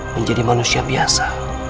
menjadi manusia biasa